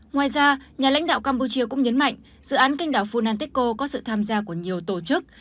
ngoài ra nhà lãnh đạo campuchia cũng nhấn mạnh dự án canh đảo funanteko có sự tham gia của nhiều tổ chức